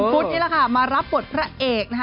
นี่แหละค่ะมารับบทพระเอกนะคะ